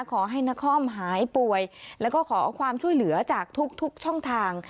ขอให้นครหายป่วยแล้วก็ขอความช่วยเหลือจากทุกช่องทาง